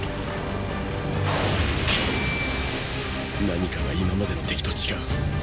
何かが今までの敵と違う。